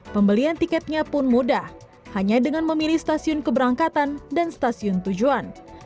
pembelian tiketnya pun mudah hanya dengan memilih stasiun keberangkatan dan stasiun tujuan